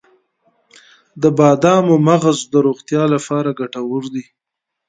د بادامو مغز د روغتیا لپاره ګټور دی.